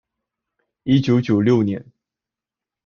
一九九六年